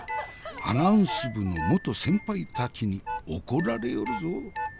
アナウンス部の元先輩たちに怒られよるぞ。